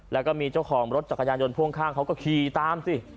แล้วก็มีเจ้าของรถจักรยานยนต์พ่วงข้างเขาก็ขี่ตามสิ